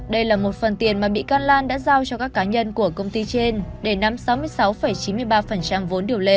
đây là một phần tiền mà bị can lan đã giao cho các cá nhân của công ty trên để nắm sáu mươi sáu chín mươi ba vốn điều lệ